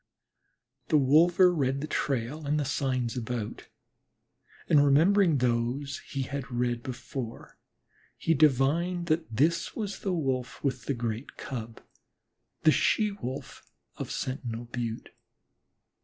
The wolver read the trail and the signs about, and remembering those he had read before, he divined that this was the Wolf with the great Cub the She wolf of Sentinel Butte.